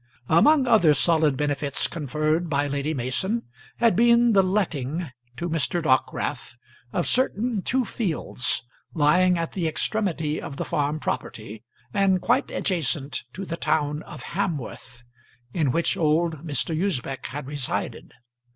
Among other solid benefits conferred by Lady Mason had been the letting to Mr. Dockwrath of certain two fields, lying at the extremity of the farm property, and quite adjacent to the town of Hamworth in which old Mr. Usbech had resided.